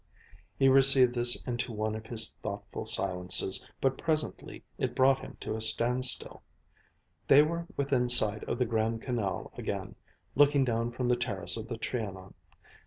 He received this into one of his thoughtful silences, but presently it brought him to a standstill. They were within sight of the Grand Canal again, looking down from the terrace of the Trianon.